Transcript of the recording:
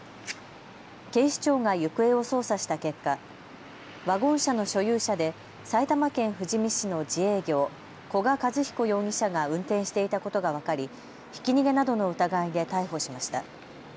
警視庁が行方を捜査した結果、ワゴン車の所有者で埼玉県富士見市の自営業、古賀和彦容疑者が運転していたことが分かりひき逃げなどの疑いで逮捕しました。